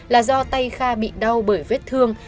là do tay kha bị đau bởi vết thương